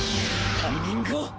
タイミングを。